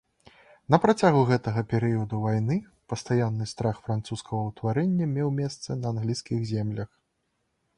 На працягу гэтага перыяду вайны пастаянны страх французскага ўварвання меў месца на англійскіх землях.